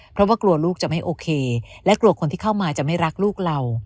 เพราะว่ากลัวลูกจะไม่โอเคและกลัวคนที่เข้ามาจะไม่รักลูกเรา